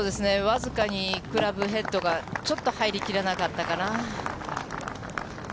僅かにクラブヘッドが、ちょっと入りきらなかったかな。